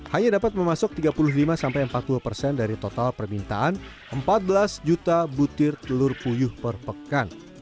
hanya dapat memasok tiga puluh lima sampai empat puluh persen dari total permintaan empat belas juta butir telur puyuh per pekan